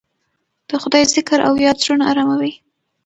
د خدای ذکر او یاد زړونه اراموي.